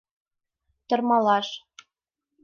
Тырмалаш